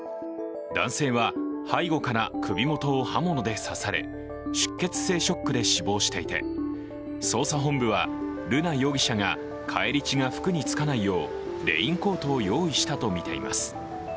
男性は背後から首元を刃物で刺され、出血性ショックで死亡していて、捜査本部は瑠奈容疑者が返り血が服につかないようレインコートを用意したとみています。